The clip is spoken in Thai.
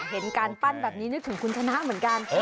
เห็นการปั้นแบบนี้นึกถึงคุณชนะเหมือนกัน